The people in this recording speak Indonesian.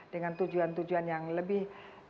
dengan tujuan tujuan yang lebih